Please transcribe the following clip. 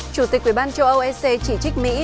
chủ tịch ủy ban châu âu ec chỉ trích mỹ